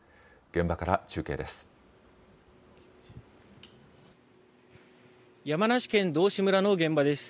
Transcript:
現場から中継です。